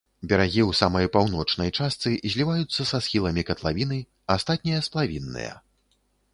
Берагі ў самай паўночнай частцы зліваюцца са схіламі катлавіны, астатнія сплавінныя.